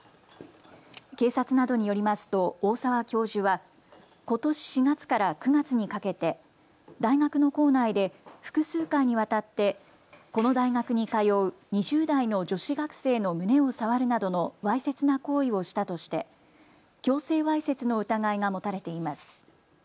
警察などによりますと大澤教授はことし４月から９月にかけて大学の構内で複数回にわたってこの大学に通う２０代の女子学生の胸を触るなどのわいせつな行為をしたとして強制わいせつの疑いが持たれています。